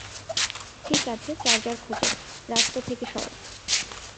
ঠিক আছে, চার্জার খোঁজ, - রাস্তা থেকে সর।